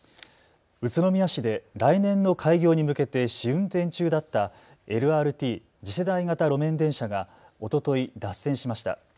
宇都宮市で来年の開業に向けて試運転中だったＬＲＴ・次世代型路面電車がおととい、脱線しました。